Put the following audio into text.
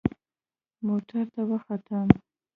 موټر ته وختم.